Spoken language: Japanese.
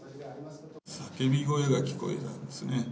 叫び声が聞こえたんですね。